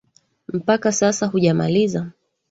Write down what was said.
Mpaka sasa hujamaliza